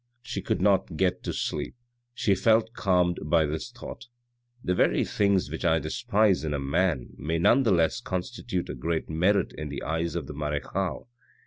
She could not get to sleep. She felt calmed by this thought :" the very things which I despise in a man may none the less constitute a great merit in the eyes of the marechale."